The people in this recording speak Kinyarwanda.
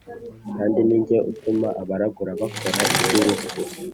Kandi ni jye utuma abaragura bakora iby ubupfu